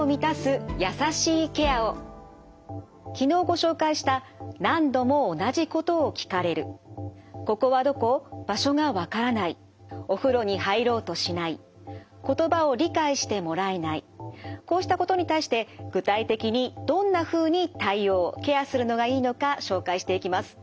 昨日ご紹介したこうしたことに対して具体的にどんなふうに対応ケアするのがいいのか紹介していきます。